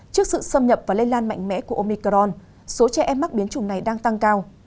trước sự xâm nhập và lây lan mạnh mẽ của omicron số trẻ em mắc biến chủng này đang tăng cao